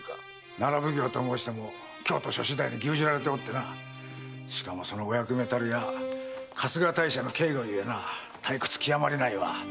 奈良奉行と申しても京都所司代に牛耳られておってなしかもそのお役目たるや春日大社の警護ゆえな退屈きわまりないわ。